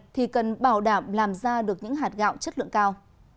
thì cần bảo đảm làm ra được những hạt gạo chất lượng cao